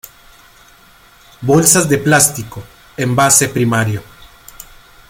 Bolsas de plástico: envase primario.